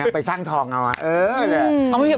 ไปสร้างทองเอา๊ะเออแน่ะใช่ฮือ